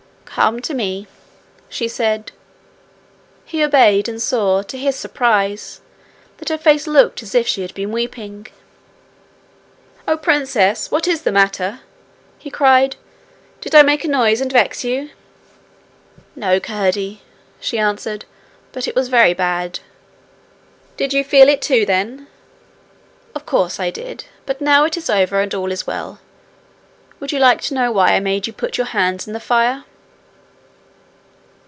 'Come to me,' she said. He obeyed and saw, to his surprise, that her face looked as if she had been weeping. 'Oh, Princess! What is the matter?' he cried. 'Did I make a noise and vex you?' 'No, Curdie, she answered; 'but it was very bad.' 'Did you feel it too then?' 'Of course I did. But now it is over, and all is well. Would you like to know why I made You put your hands in the fire?'